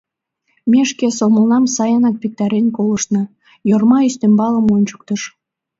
— Ме шке сомылнам сайынак виктарен колтышна, — Йорма ӱстембалым ончыктыш.